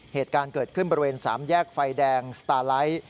เหตุการณ์เกิดขึ้นบริเวณ๓แยกไฟแดงสตาไลท์